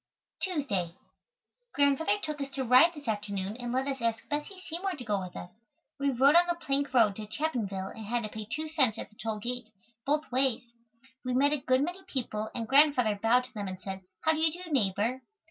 Tuesday. Grandfather took us to ride this afternoon and let us ask Bessie Seymour to go with us. We rode on the plank road to Chapinville and had to pay 2 cents at the toll gate, both ways. We met a good many people and Grandfather bowed to them and said, "How do you do, neighbor?"